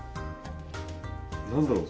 何だろう